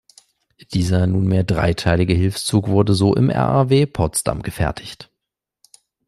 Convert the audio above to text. Dieser nunmehr dreiteilige Hilfszug wurde so im Raw Potsdam gefertigt.